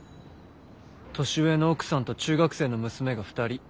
年上の奥さんと中学生の娘が２人。